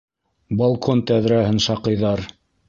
Балкон тәҙрәһен шаҡыйҙар.